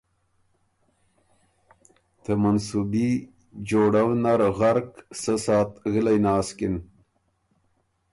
ته منصوبي جوړؤ نر غرق سۀ ساعت غِلئ ناسکِن،